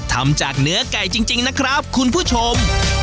ทำจากเนื้อไก่จริงนะครับคุณผู้ชม